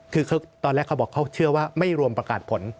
คือตอนแรกเขาบอกเขาเชื่อว่าไม่รวมประกาศผล